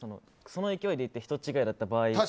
その勢いで行って人違いだった場合。